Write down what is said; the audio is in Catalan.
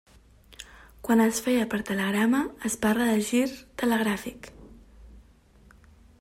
Quan es feia per telegrama, es parla de gir telegràfic.